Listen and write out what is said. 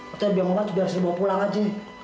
artinya bang mamat sudah harus dibawa pulang aja